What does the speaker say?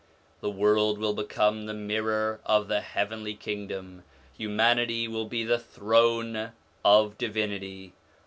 The world will become the mirror of the Heavenly Kingdom, humanity will be the Throne of Divinity.